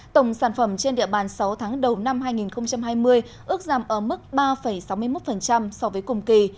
tổng sản phẩm trên địa bàn sáu tháng đầu năm hai nghìn hai mươi ước giảm ở mức ba sáu mươi một so với cùng kỳ